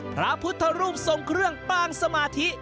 พระพุทธรูปทรงเครื่องปางสมาธิ